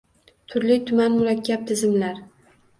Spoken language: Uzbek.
Turli-tuman murakkab tizimlar